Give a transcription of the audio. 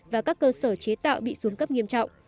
và các cơ sở chế tạo bị xuống cấp nghiêm trọng